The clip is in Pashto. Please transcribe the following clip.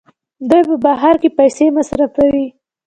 دوی په بهر کې پیسې مصرفوي.